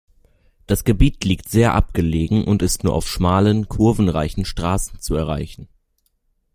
Das Gebiet liegt sehr abgelegen und ist nur auf schmalen, kurvenreichen Straßen zu erreichen.